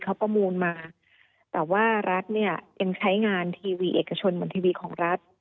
เขาประมูลมาแต่ว่ารัฐเนี่ยยังใช้งานทีวีเอกชนบนทีวีของรัฐ